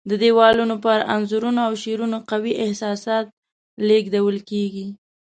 د دیوالونو پر انځورونو او شعرونو قوي احساسات لېږدول کېږي.